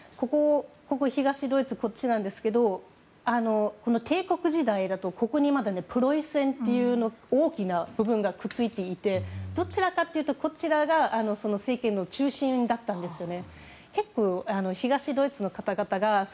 あと、地図を見てみますと東ドイツの右側なんですけど帝国時代だとここにプロイセンという大きな部分がくっついていてどちらかというとこちらが中心だったんですよね。